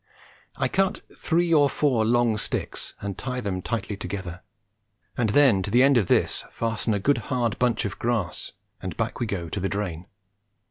I cut three or four long sticks and tie them tightly together, and then to the end of this fasten a good hard bunch of grass, and back we go to the drain.